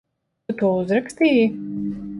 Tu to uzrakstīji?